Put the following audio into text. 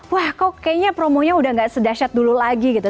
wah kok kayaknya promonya udah gak sedahsyat dulu lagi gitu